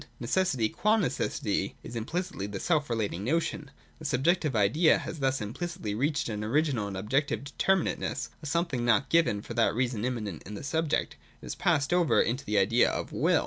Necessity qua necessity is implicitly the self relating notion. The sub jective idea has thus implicitly reached an original and objective determinateness, — a something not given, and for that reason immanent in the subject. It has passed over into the idea of Will.